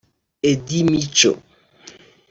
Eddie Mico